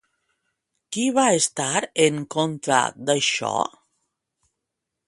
Qui va estar en contra d'això?